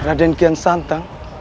raden kian santang